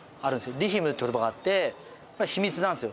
「ｌｉｈｉｍ」って言葉があって「秘密」なんすよ。